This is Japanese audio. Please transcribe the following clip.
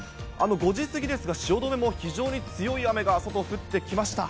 ５時過ぎですが、汐留も非常に強い雨が、外、降ってきました。